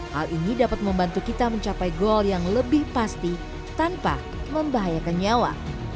hal ini dapat membantu kita mencapai gol yang lebih pasti tanpa membahayakan nyawa